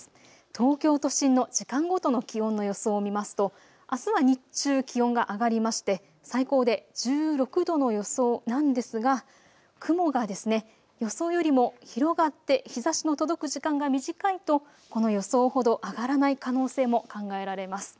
東京都心の時間ごとの気温の予想を見ますとあすは日中、気温が上がりまして最高で１６度の予想なんですが雲が予想よりも広がって日ざしの届く時間が短いと、この予想ほど上がらない可能性も考えられます。